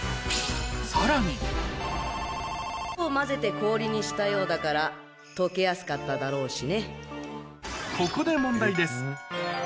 さらにを混ぜて氷にしたようだから解けやすかっただろうしね。